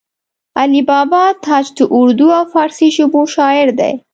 علي بابا تاج د اردو او فارسي ژبو شاعر دی